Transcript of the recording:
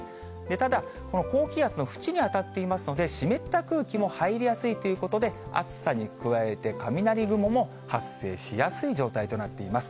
ただ、この高気圧の縁に当たっていますので、湿った空気も入りやすいということで、暑さに加えて、雷雲も発生しやすい状態となっています。